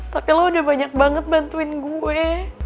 tapi lo udah banyak banget bantuin gue